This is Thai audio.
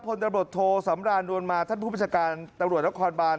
พลตำรวจโทสำรานดวนมาท่านผู้ประชาการตำรวจนครบาน